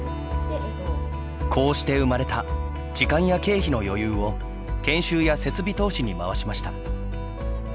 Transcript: こうして生まれた時間や経費の余裕を研修や設備投資に回しました。